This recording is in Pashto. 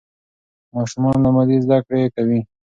ماشومان له مودې زده کړه کوي.